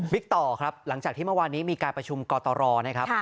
ต่อครับหลังจากที่เมื่อวานนี้มีการประชุมกตรนะครับ